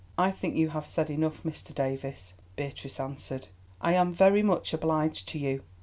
"I think that you have said enough, Mr. Davies," Beatrice answered. "I am very much obliged to you.